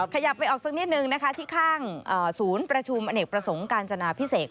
ขยับไปออกสักนิดนึงนะคะที่ข้างศูนย์ประชุมอเนกประสงค์การจนาพิเศษ